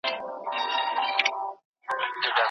تاندي لښتي وې ولاړي شنه واښه وه